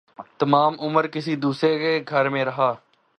تمام عمر کسی دوسرے کے گھر میں رہا